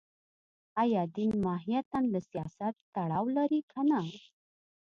ایا دین ماهیتاً له سیاست تړاو لري که نه